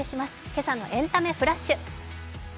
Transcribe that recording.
今朝のエンタメフラッシュ。